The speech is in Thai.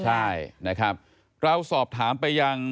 ใช่นะครับเราสอบถามไปยัง